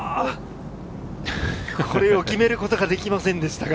決めることができませんでしたが。